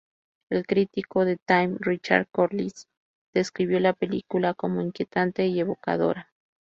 El crítico de "Time" Richard Corliss describió la película como "inquietante" y "evocadora".